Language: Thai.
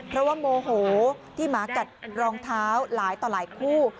เพราะว่าโมโหที่หมากัดรองเท้าหลายต่อหลายคู่